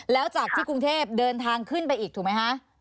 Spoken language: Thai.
แล้วจากที่กรุงเทพเดินทางขึ้นไปอีกถูกไหมคะ